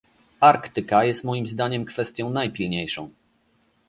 Arktyka jest moim zdaniem kwestią najpilniejszą